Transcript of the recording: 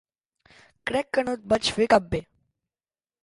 Crec que no et vaig fer cap bé.